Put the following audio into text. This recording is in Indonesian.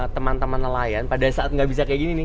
teman teman nelayan pada saat nggak bisa kayak gini nih